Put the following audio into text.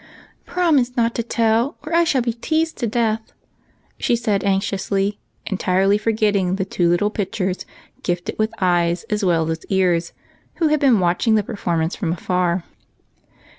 " Promise not to tell, or I shall be teased to death," she added, anxiously, entirely forgetting the two little pitchers gifted with eyes as well as ears, who had been watching the whole performance from afar.